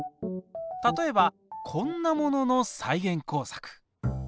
例えばこんなものの再現工作。